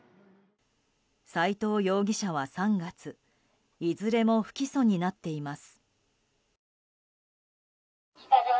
斎藤容疑者は３月いずれも不起訴になっています。